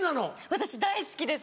私大好きです